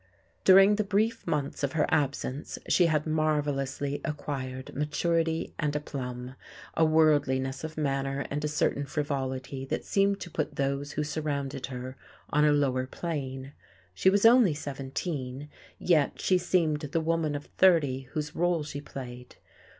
During the brief months of her absence she had marvellously acquired maturity and aplomb, a worldliness of manner and a certain frivolity that seemed to put those who surrounded her on a lower plane. She was only seventeen, yet she seemed the woman of thirty whose role she played.